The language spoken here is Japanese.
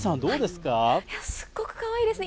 すっごくかわいいですね。